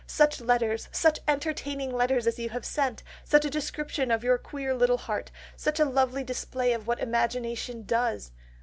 Such letters, such entertaining letters as you have lately sent! such a description of your queer little heart! such a lovely display of what imagination does!...